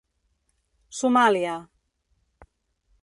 Somàlia.